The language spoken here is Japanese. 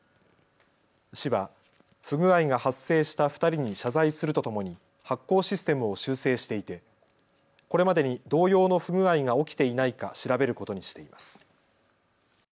市は不具合が発生した２人に謝罪するとともに発行システムを修正していてこれまでに同様の不具合が起きていないか調べることにしています。